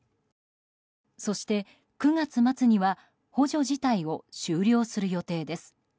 そして９月末には補助自体を終了する予定です。